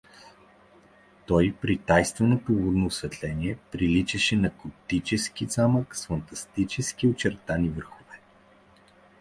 Той, при тайнственото лунно осветление, приличаше на готически замък с фантастически очертани върхове.